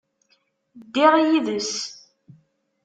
Ddiɣ yid-s.